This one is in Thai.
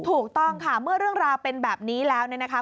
ถูกต้องค่ะเมื่อเรื่องราวเป็นแบบนี้แล้วเนี่ยนะคะ